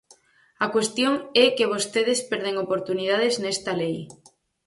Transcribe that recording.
A cuestión é que vostedes perden oportunidades nesta lei.